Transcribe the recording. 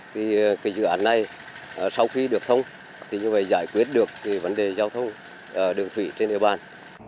thì cái dự án này sau khi được thông thì như vậy giải quyết được cái vấn đề giao thông đường thủy trên địa bàn